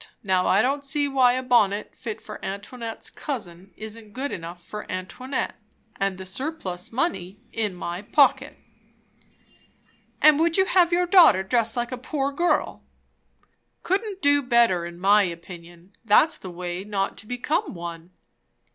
Now I don't see why a bonnet fit for Antoinette's cousin isn't good enough for Antoinette; and the surplus money in my pocket." "And you would have your daughter dress like a poor girl?" "Couldn't do better, in my opinion. That's the way not to become one.